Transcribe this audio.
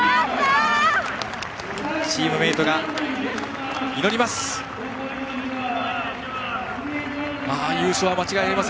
チームメートが祈ります。